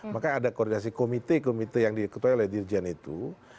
maka ada koordinasi komite komite yang diketuai oleh dirjen itu